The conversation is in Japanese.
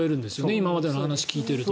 今までの話を聞いていると。